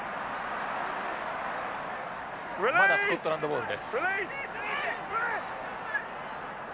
まだスコットランドボールです。